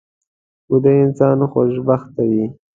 ویده انسان خوشبخته وي